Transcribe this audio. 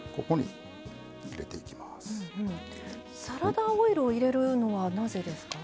サラダオイルを入れるのはなぜですか？